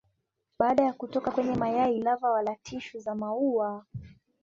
Baada ya kutoka kwenye mayai lava wala tishu za maua.